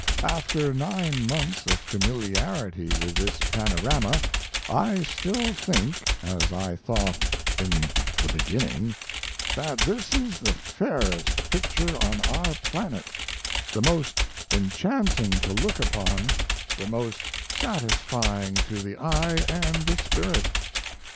After nine months of familiarity with this panorama I still think, as I thought in the beginning, that this is the fairest picture on our planet, the most enchanting to look upon, the most satisfying to the eye & the spirit.